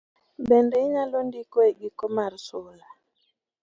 Bende inyalo ndiko e giko mar sula.